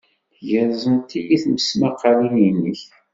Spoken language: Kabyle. Gerẓent-iyi tesmaqqalin-nnek.